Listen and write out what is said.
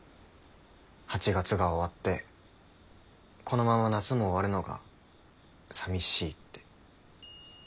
８月が終わってこのまま夏も終わるのがさみしいって。